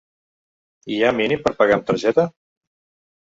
Hi ha mínim per pagar amb targeta?